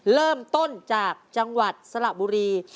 เริ่มต้นจากจังหวัดสระบุรี